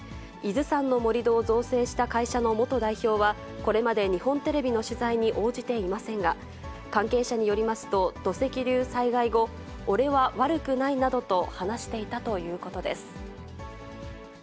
伊豆山の盛り土を造成した会社の元代表は、これまで日本テレビの取材に応じていませんが、関係者によりますと、土石流災害後、俺は悪くないなどと話していたということです。